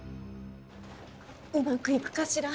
うまくいくかしら。